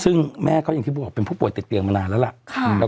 ซึ่งแม่ก็อย่างที่บอกเป็นผู้ป่วยติดเตียงมานานแล้วล่ะ